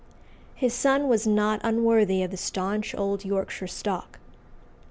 His son was not unworthy of the staunch old Yorkshire stock.